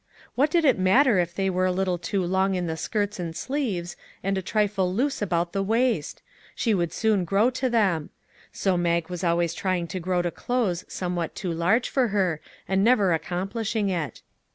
What did it matter if they were a little too long in the skirts and sleeves, and a trifle loose about J5 MAG AND MARGARET the waist ? She would soon grow to them. So Mag was always trying to grow to clothes somewhat too large for her, and never accom plishing it.